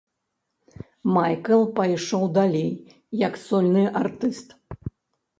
Майкл пайшоў далей як сольны артыст.